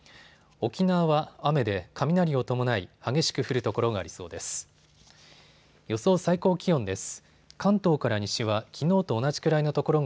沖縄は雨で雷を伴い、激しく降る所がありそうです。